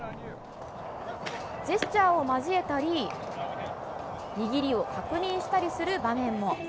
ジェスチャーを交えたり、握りを確認したりする場面も。